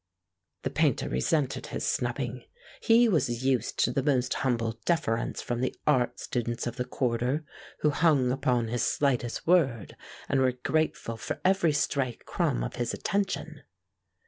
The Painter resented his snubbing. He was used to the most humble deference from the art students of the quarter, who hung upon his slightest word, and were grateful for every stray crumb of his attention.